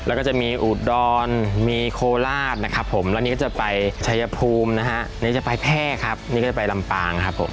แล้วก็จะมีอุดรมีโคราชนะครับผมแล้วนี่ก็จะไปชัยภูมินะฮะนี่จะไปแพร่ครับนี่ก็จะไปลำปางครับผม